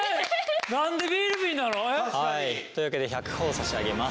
何でビール瓶なの？というわけで１００ほぉ差し上げます。